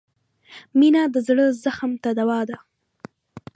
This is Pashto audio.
• مینه د زړه زخم ته دوا ده.